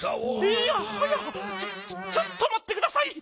いやはやちょっとまってください！